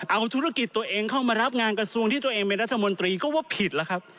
เอาธุรกิจตัวเองเข้ามารับงานกระทรวงที่ตัวเองเป็นรัฐมนตรีก็ว่าผิดแล้วครับ